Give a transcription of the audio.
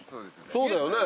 そうだよね。